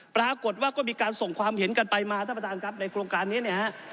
ปรากฏว่าก็มีการส่งความเห็นกันไปมาท่านประธานครับในโครงการนี้เนี่ยฮะ